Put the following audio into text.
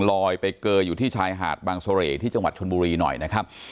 ลอยไปเกยอยู่ที่ชายหาดบางเสร่ที่จังหวัดชนบุรีหน่อยนะครับ